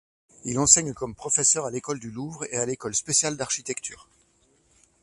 Il enseigne comme professeur à l'École du Louvre, et à l'École spéciale d'architecture.